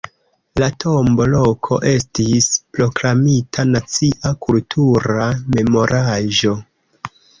La tombo-loko estis proklamita nacia kultura memoraĵo.